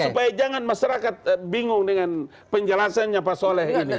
supaya jangan masyarakat bingung dengan penjelasannya pas oleh ini